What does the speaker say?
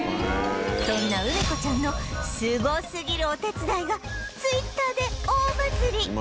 そんな梅子ちゃんのすごすぎるお手伝いが Ｔｗｉｔｔｅｒ で大バズり！